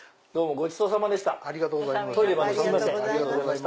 ごちそうさまでした！